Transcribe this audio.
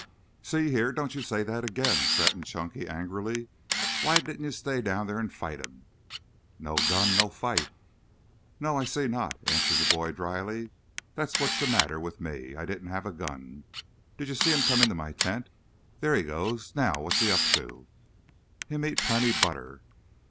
"See here, don't you say that again," threatened Chunky angrily. "Why didn't you stay down there and fight him?" "No gun, no fight." "No, I see not," answered the boy dryly. "That's what's the matter with me. I didn't have a gun. Did you see him come into my tent? There he goes. Now what's he up to?" "Him eat plenty butter."